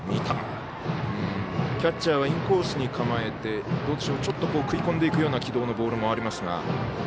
キャッチャーはインコースに構えてちょっと食い込んでいくような軌道のボールもありますが。